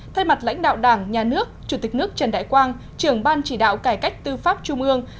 thay mặt lãnh đạo đảng nhà nước chủ tịch nước trần đại quang trưởng ban chỉ đạo cải cách tư pháp trung ương